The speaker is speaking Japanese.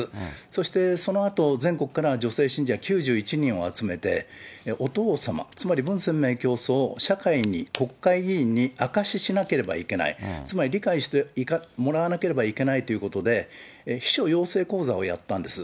そしてそのあと、全国から女性信者９１人を集めて、お父様、つまり文鮮明教祖を社会に、国会議員にあかししなければいけない、つまり理解してもらわなければいけないということで、秘書養成講座をやったんです。